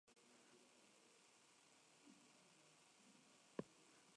Sus principales industrias son fabricas de muebles, textiles, vestido, calzado y alimentación.